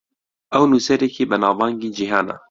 ئەو نووسەرێکی بەناوبانگی جیهانە.